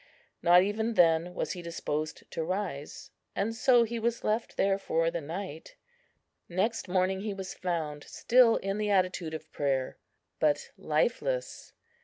Not even then was he disposed to rise; and so he was left there for the night. Next morning he was found still in the attitude of prayer, but lifeless.